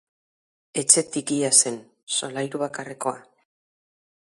Etxe tikia zen, solairu bakarrekoa.